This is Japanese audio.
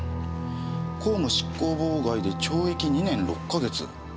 公務執行妨害で懲役２年６か月？